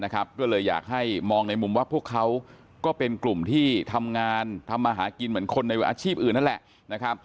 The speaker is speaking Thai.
ก็เลยอยากให้มองในมุมว่าพวกเขาก็เป็นกลุ่มที่ทำงานทำมาหากินเหมือนคนในอาชีพอื่นนั่นแหละ